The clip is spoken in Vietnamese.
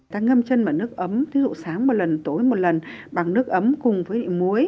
ta ngâm chân bằng nước ấm thí dụ sáng một lần tối một lần bằng nước ấm cùng với muối